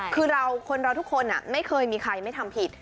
คือเราคนเราทุกคนไม่เคยมีใครไม่ทำผิด